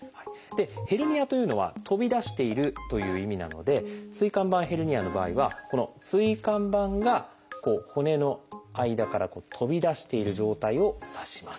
「ヘルニア」というのは「飛び出している」という意味なので椎間板ヘルニアの場合はこの椎間板が骨の間から飛び出している状態を指します。